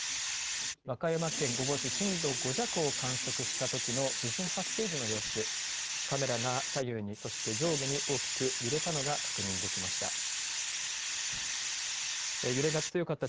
和歌山県御坊市、震度５弱を観測したときの地震発生時の様子、カメラが左右に、そして上下に大きく揺れたのが確認できました。